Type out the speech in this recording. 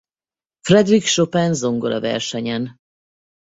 Frédéric Chopin Zongoraversenyen.